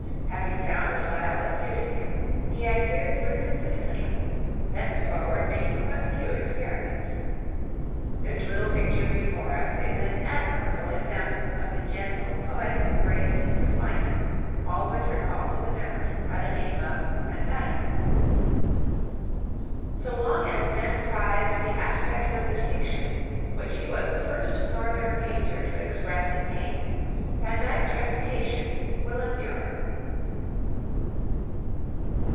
Having found a style that suited him, he adhered to it consistently, thenceforward making but few experiments. This little picture before us is an admirable example of the gentle poetic grace and refinement always recalled to the memory by the name of Van Dyck. So long as men prize the aspect of distinction, which he was the first Northern painter to express in paint, Van Dyck's reputation will endure.